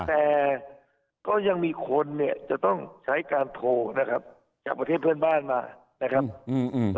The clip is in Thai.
แต่ก็ยังมีคนเนี่ยจะต้องใช้การโทรนะครับจากประเทศเพื่อนบ้านมานะครับอืม